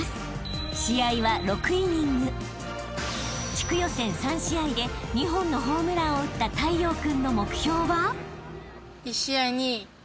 ［地区予選３試合で２本のホームランを打った太陽君の目標は？］